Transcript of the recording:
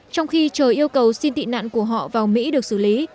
trong khi chờ yêu cầu xin tị nạn của họ vào mỹ được xử lý